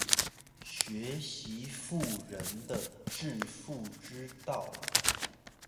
學習富人的致富之道